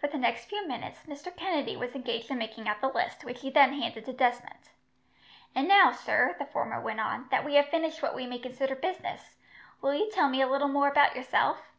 For the next few minutes, Mr. Kennedy was engaged in making out the list, which he then handed to Desmond. "And now, sir," the former went on, "that we have finished what we may consider business, will you tell me a little more about yourself?